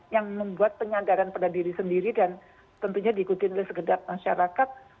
yang membuat penyadaran pada diri sendiri dan tentunya diikuti oleh segedap masyarakat